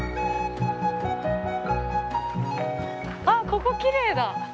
あっここきれいだ！